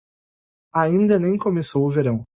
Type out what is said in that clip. Ainda nem começou o verão.